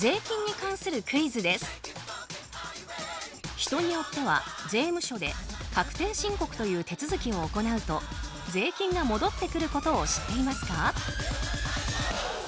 人によっては税務署で確定申告という手続きを行うと税金が戻ってくることを知っていますか？